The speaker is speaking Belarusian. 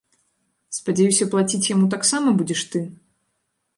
Спадзяюся, плаціць яму таксама будзеш ты!